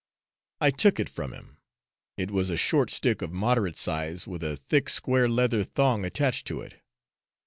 I took it from him; it was a short stick of moderate size, with a thick square leather thong attached to it.